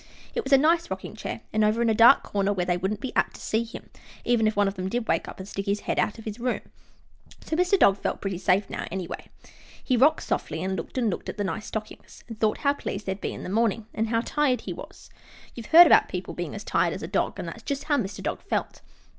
It was a nice rocking chair, and over in a dark corner where they wouldn't be apt to see him, even if one of them did wake up and stick his head out of his room, so Mr. Dog felt pretty safe now, anyway. He rocked softly, and looked and looked at the nice stockings, and thought how pleased they'd be in the morning, and how tired he was. You've heard about people being as tired as a dog; and that's just how Mr. Dog felt.